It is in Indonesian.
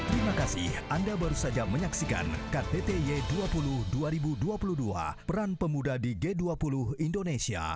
terima kasih anda baru saja menyaksikan ktty dua puluh dua ribu dua puluh dua peran pemuda di g dua puluh indonesia